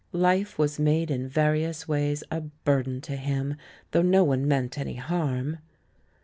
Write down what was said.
Life was made in various ways a bur den to him, though no one meant any harm.